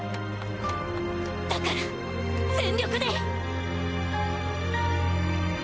だから全力で！